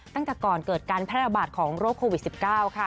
ตั้งแต่ก่อนเกิดการแพร่ระบาดของโรคโควิด๑๙ค่ะ